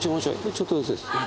ちょっとずつです。